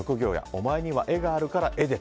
お前には絵があるから絵で！